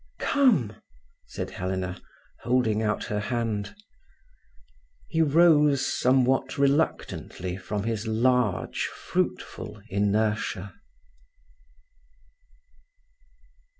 "Come!" said Helena, holding out her hand. He rose somewhat reluctantly from his large, fruitful inertia.